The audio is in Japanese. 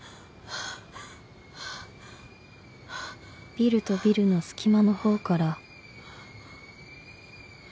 ［ビルとビルの隙間の方から］